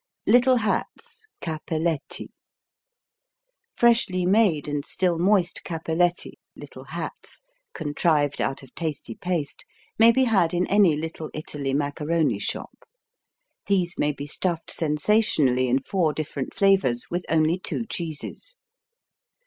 Little Hats, Cappelletti Freshly made and still moist Cappelletti, little hats, contrived out of tasty paste, may be had in any Little Italy macaroni shop. These may be stuffed sensationally in four different flavors with only two cheeses.